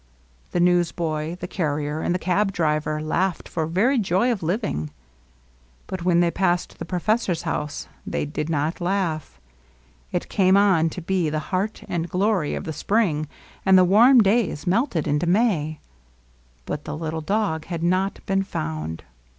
The newsboy the carrier and the cab driver laughed for very joy of living. But when they passed the professor's house they did not laugh. It came on to be the heart and glory of the springs and the warm days melted into May. But the little dog had not been found.